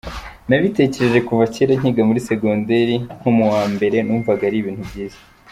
Nabitekereje kuva kera nkiga muri segonderi nko mu wa mbere, numvaga ari ibintu byiza.